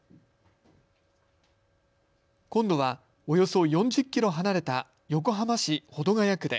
今度はおよそ４０キロ離れた横浜市保土ケ谷区で。